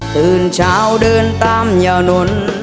ตื่นเช้าเดินตามยานน